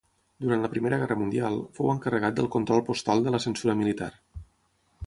Durant la Primera Guerra Mundial, fou encarregat del control postal de la censura militar.